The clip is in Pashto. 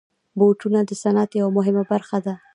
بوټونه د صنعت یوه مهمه برخه ده.